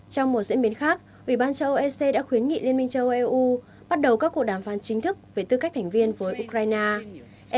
trong một diễn biến khác ủy ban châu âu ec đã khuyến nghị liên minh châu âu eu bắt đầu các cuộc đàm phán chính thức về tư cách thành viên với ukraine